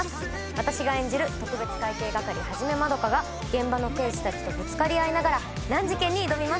私が演じる特別会計係一円が現場の刑事たちとぶつかり合いながら難事件に挑みます。